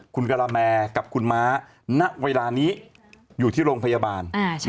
คุณกะละแมกับคุณม้าณเวลานี้อยู่ที่โรงพยาบาล